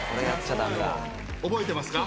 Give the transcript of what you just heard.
覚えてますか？